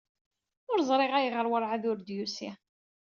Ur ẓriɣ ayɣer werɛad ur d-yusi.